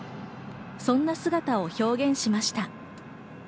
そんな姿を表現しました。